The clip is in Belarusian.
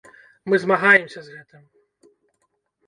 Мы змагаемся з гэтым.